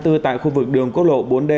từ tại khu vực đường cốc lộ bốn d